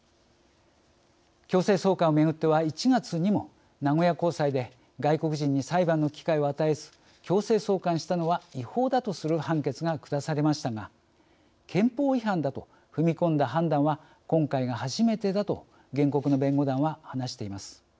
強制送還をめぐっては１月にも名古屋高裁で外国人に裁判の機会を与えず強制送還したのは違法だとする判決が下されましたが憲法違反だと踏み込んだ判断は今回が初めてだと原告の弁護団は話しています。